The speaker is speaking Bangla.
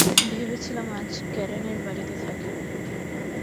ভেবেছিলাম আজ ক্যারেনের বাড়িতে থাকবি।